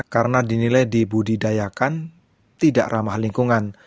karena dinilai dibudidayakan tidak ramah lingkungan